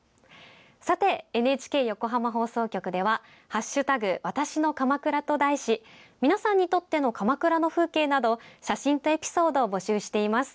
さて、ＮＨＫ横浜放送局では「＃わたしの鎌倉」と題し皆さんにとっての鎌倉の風景など写真とエピソードを募集しています。